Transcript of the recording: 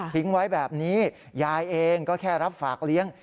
ทิ้งไว้แบบนี้ยายเองก็แค่รับฝากเลี้ยง